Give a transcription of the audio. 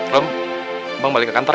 rum bang balik ke kantor ya